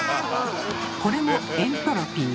これもエントロピー。